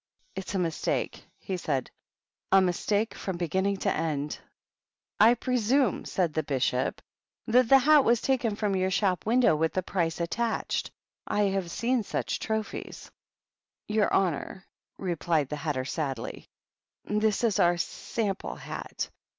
"It's a mistake," he said, — "a mistake from beginning to end." "I presume," said the Bishop, "that the hat I n 17 194 THE BISHOPS. was taken from your shop window with the price attached. I have seen such trophies/' " Your honor/' replied the Hatter, sadly, " this is our sample hat.